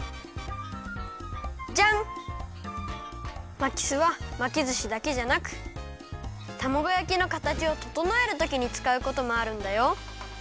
まきすはまきずしだけじゃなくたまごやきのかたちをととのえるときにつかうこともあるんだよ。